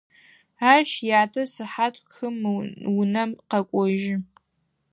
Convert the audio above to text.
Ащ ятэ сыхьат хым унэм къэкӏожьы.